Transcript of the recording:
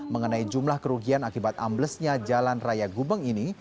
mengenai jumlah kerugian akibat amblesnya jalan raya gubeng ini